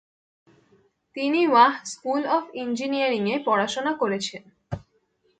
তিনি Wah school of ইঞ্জিনিয়ারিংয়ে পড়াশোনা করেছেন।